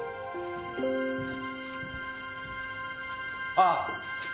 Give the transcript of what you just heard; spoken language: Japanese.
ああ！